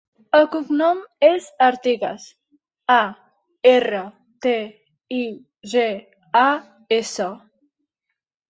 El cognom és Artigas: a, erra, te, i, ge, a, essa.